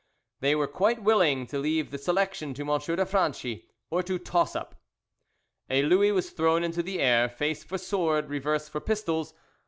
They were quite willing to leave the selection to M. de Franchi, or to toss up. A louis was thrown into the air, face for sword, reverse for pistols.